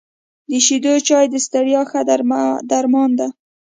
د شيدو چای د ستړیا ښه درمان ده .